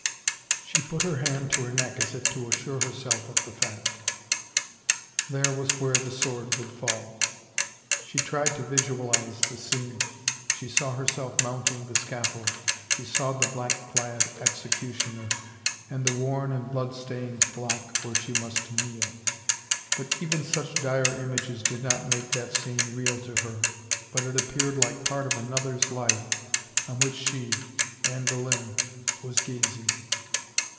She put her hand to her neck as if to assure herself of the fact. There was where the sword would fall. She tried to vizualize the scene. She saw herself mounting the scaffold, she saw the black clad executioner and the worn and blood stained block where she must kneel — but even such dire images did not make that scene real to her, but it appeared like part of another's life on which she, Anne Boleyn, was gazing.